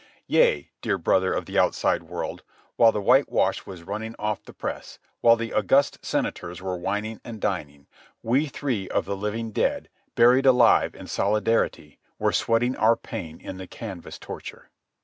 Yea, dear brother of the outside world, while the whitewash was running off the press, while the august senators were wining and dining, we three of the living dead, buried alive in solidarity, were sweating our pain in the canvas torture.